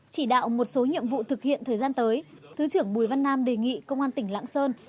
chỉ đạo một số nhiệm vụ thực hiện thời gian tới thứ trưởng bùi văn nam đề nghị công an tỉnh lạng sơn